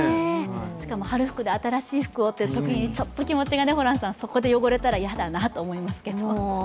しかも春服で新しい服をというときにそこで汚れたな嫌だなと思いますけれども。